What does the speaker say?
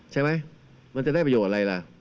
ใช่ไหมมันจะได้ประโยชน์อะไรล่ะ